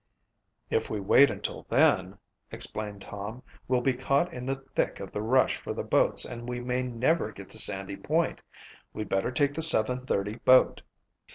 "If we wait until then," explained Tom, "we'll be caught in the thick of the rush for the boats and we may never get to Sandy Point. We'd better take the seven thirty boat."